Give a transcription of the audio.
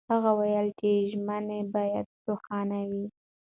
هغه وویل چې ژمنې باید روښانه وي.